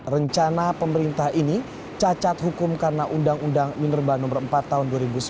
rencana pemerintah ini cacat hukum karena undang undang minerba nomor empat tahun dua ribu sembilan belas